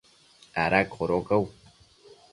¿ ada codocau?